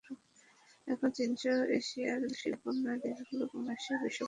এখন চীনসহ এশিয়ার শিল্পোন্নত দেশগুলো এবং রাশিয়া বিশ্ব পুঁজিবাদী অর্থনীতির প্রধান শক্তি।